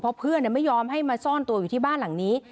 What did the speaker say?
เพราะเพื่อนไม่ยอมให้มาซ่อนตัวอยู่ที่บ้านหลังนี้